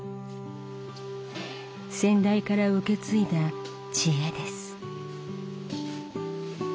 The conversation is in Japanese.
先代から受け継いだ知恵です。